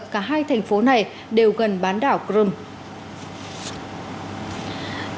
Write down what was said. cả hai thành phố này đều gần bán đảo crime